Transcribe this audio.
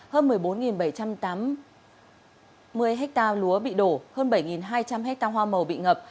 hơn một mươi bốn bảy trăm tám mươi hectare lúa bị đổ hơn bảy hai trăm linh hectare hoa màu bị ngập